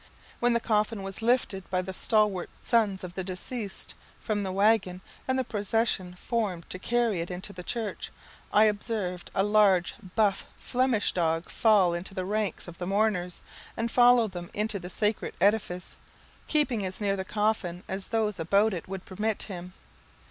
When the coffin was lifted by the stalwart sons of the deceased from the waggon, and the procession formed to carry it into the church, I observed a large, buff Flemish dog fall into the ranks of the mourners, and follow them into the sacred edifice, keeping as near the coffin as those about it would permit him.